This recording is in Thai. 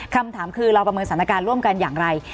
คำถามคือเราประเมินสถานการณ์ร่วมกันอย่างไร